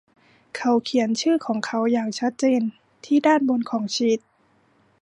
เขาเขียนชื่อของเขาอย่างชัดเจนที่ด้านบนของชีท